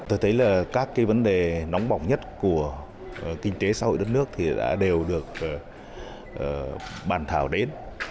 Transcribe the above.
tôi thấy là các cái vấn đề nóng bỏng nhất của kinh tế xã hội đất nước thì đều được bàn thảo đến